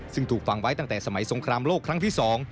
ซึ่งถูกฟังไว้ตั้งแต่สมัยสงครามโลกครั้งที่๒